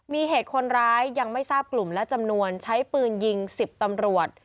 มีเหตุคนร้ายยังไม่ทราบกลุ่มและจำนวนใช้ปืนยิง๑๐ตำรวจ